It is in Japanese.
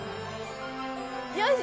よし！